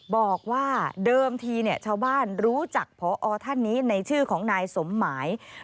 บอกว่าเดิมทีชาวบ้านรู้จักพอท่านนี้ในชื่อของนายสมหมาย